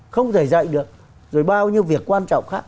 không thể dạy được rồi bao nhiêu việc quan trọng khác